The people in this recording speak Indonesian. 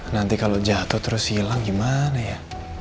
nanti kalau jatuh terus hilang gimana ya